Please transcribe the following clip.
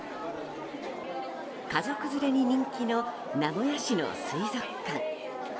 家族連れに人気の名古屋市の水族館。